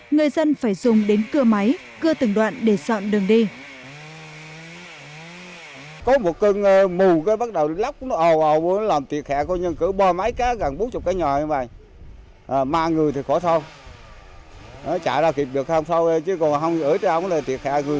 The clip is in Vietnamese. người dân phải dùng đến cưa máy cưa từng đoạn để dọn đường đi